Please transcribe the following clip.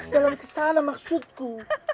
jalan ke sana maksudku